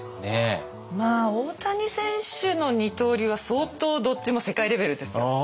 まあ大谷選手の二刀流は相当どっちも世界レベルですよ。